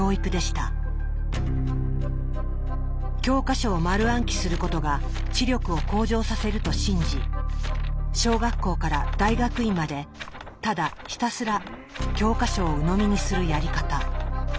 教科書を丸暗記することが知力を向上させると信じ小学校から大学院までただひたすら教科書をうのみにするやり方。